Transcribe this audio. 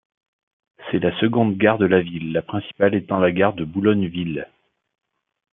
C'est la seconde gare de la ville, la principale étant la gare de Boulogne-Ville.